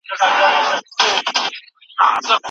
په کتابتونونو کې د پخوانیو اثارو ساتنه کیږي.